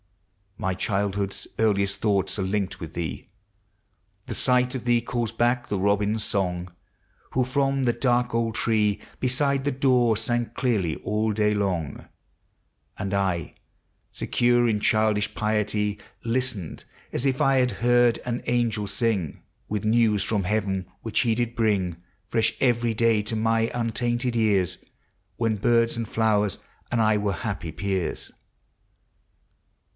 My childhood's earliest thoughts are linked with thee; The sight of thee calls back the robin's song, Who, from the dark old tree Beside the door, sang clearly all day long; And T, secure in childish piety, Listened as if I heard an angel sing With news from heaven, which he did bring Fresh every day to my untainted ejus. When birds and flowers and I were happy peers.